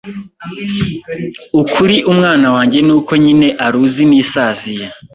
ukuri umwana wange Ni uko nyine uruzi nisaziye